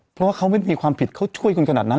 เพราะว่าเขาไม่มีความผิดเขาช่วยคุณขนาดนั้น